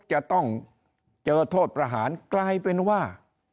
จะต้องเจอโทษประหารกลายเป็นว่า